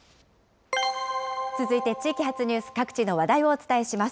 続いて地域発ニュース、各地の話題をお伝えします。